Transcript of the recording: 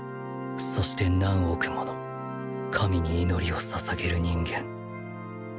そして何億もの神に祈りを捧げる人間